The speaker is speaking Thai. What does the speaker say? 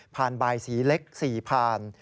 บายสีเล็ก๔พาน